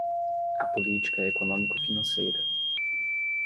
a política econômico-financeira